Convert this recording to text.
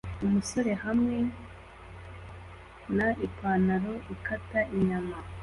Umusore hamwe na ipanaro ukata inyama